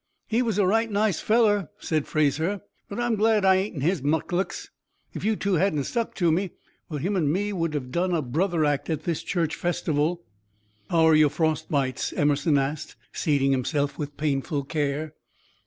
"He was a right nice feller," said Fraser, "but I'm glad I ain't in his mukluks. If you two hadn't stuck to me well, him and me would have done a brother act at this church festival." "How are your frost bites?" Emerson asked, seating himself with painful care.